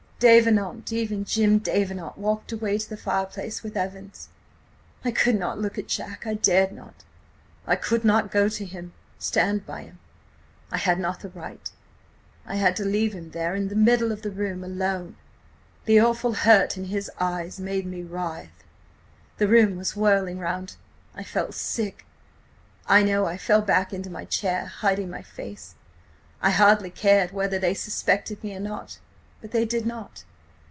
Davenant–even Jim Davenant walked away to the fireplace with Evans. "I could not look at Jack. I dared not. I could not go to him–stand by him! I had not the right. I had to leave him there–in the middle of the room–alone. The awful hurt in his eyes made me writhe. The room was whirling round–I felt sick–I know I fell back into my chair, hiding my face. I hardly cared whether they suspected me or not. But they did not.